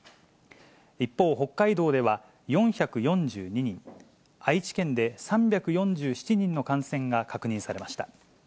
一方、北海道では４４２人、愛知県で３４７人の感染が確認されました。